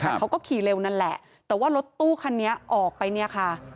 แต่เขาก็ขี่เร็วนั่นแหละแต่ว่ารถตู้คันนี้ออกไปเนี่ยค่ะ